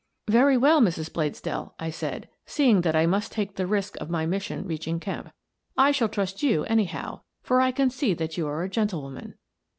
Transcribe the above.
" Very well, Mrs. Bladesdell," I said, seeing that I must take the risk of my mission reaching Kemp, " I shall trust you, anyhow, for I can see that you are a gentlewoman."